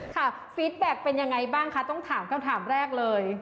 ฟีดแบ็คเป็นยังไงบ้างคะต้องถามคำถามแรกเลย